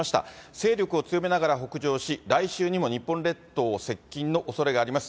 勢力を強めながら北上し、来週にも日本列島を接近のおそれがあります。